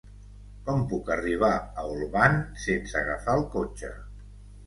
Com puc arribar a Olvan sense agafar el cotxe?